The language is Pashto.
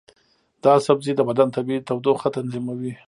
دا سبزی د بدن طبیعي تودوخه تنظیموي.